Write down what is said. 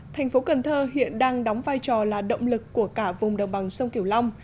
thành phố cần thơ hiện đang đóng vai trò là động lực của cả vùng đồng bằng sông kiểu long